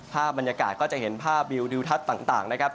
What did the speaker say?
ภาพบรรยากาศก็จะเห็นภาพวิวดิวทัศน์ต่างนะครับ